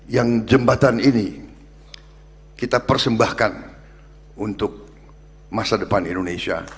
yang jembatan ini kita persembahkan untuk masa depan indonesia